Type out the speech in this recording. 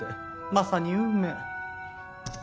まさに運命。